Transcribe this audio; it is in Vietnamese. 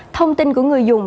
thông tin của người dùng